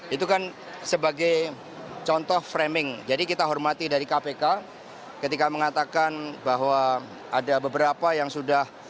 itu kan sebagai contoh framing jadi kita hormati dari kpk ketika mengatakan bahwa ada beberapa yang sudah